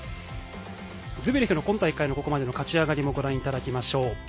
ズベレフの今大会のここまでの勝ち上がりもご覧いただきましょう。